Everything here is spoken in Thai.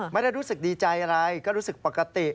ไม่ได้รู้สึกดีใจอะไรก็รู้สึกปกติ